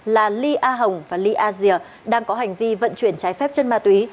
hai đối tượng là ly a hồng và ly a dìa đang có hành vi vận chuyển trái phép chân ma túy